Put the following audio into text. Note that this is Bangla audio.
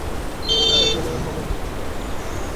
তুমি শহীদ মিনারে প্রভাত ফেরীর, ভাই হারা একুশের গান।